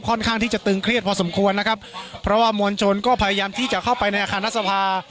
ข้างที่จะตึงเครียดพอสมควรนะครับเพราะว่ามวลชนก็พยายามที่จะเข้าไปในอาคารรัฐสภา